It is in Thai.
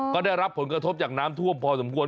ก็ได้รับผลกระทบจากน้ำท่วมพอสมควร